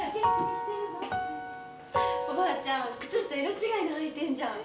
おばあちゃん、靴下色違いの履いてんじゃん！